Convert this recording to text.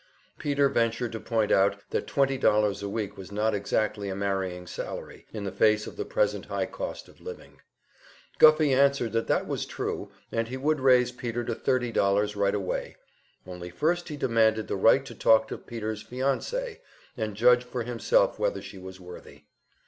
Peter ventured to point out that twenty dollars a week was not exactly a marrying salary, in the face of the present high cost of living. Guffey answered that that was true, and he would raise Peter to thirty dollars right away only first he demanded the right to talk to Peter's fiancee, and judge for himself whether she was worthy.